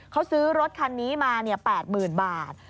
เขาซื้อรถคันนี้มาเนี่ยแปดหมื่นบาท